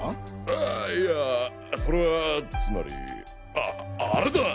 あいやそれはつまりあっあれだ！